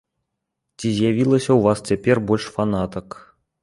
Ці з'явілася ў вас цяпер больш фанатак?